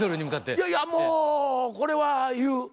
いやいやもうこれは言う。